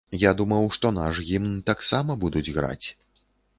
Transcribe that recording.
Я думаў, што наш гімн таксама будуць граць.